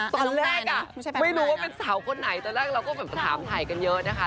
ตอนแรกก่ะไม่รู้ความเป็นสาวคนไหนตอนแรกเราก็นี่ก็แบบถามไถกันเยอะนะคะ